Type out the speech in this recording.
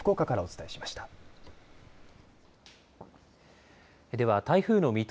ここまで福岡からお伝えしました。